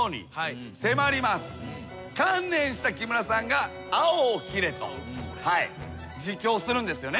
観念した木村さんが青を切れと自供するんですよね。